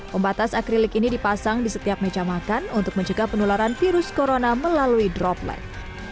pembatas akrilik ini dipasang di setiap meja makan untuk mencegah penularan virus corona melalui droplet